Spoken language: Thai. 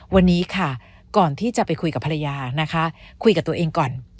วันนี้ค่ะก่อนที่จะไปคุยกับภรรยานะคะคุยกับตัวเองก่อน